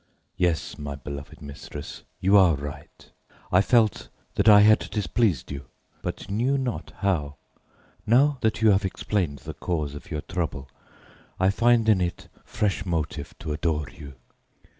Yes, my beloved mistress, you are right. I felt that I had displeased you, but knew not how. Now that you have explained the cause of your trouble, I find in it fresh motive to adore you.